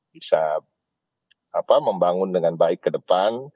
bisa membangun dengan baik ke depan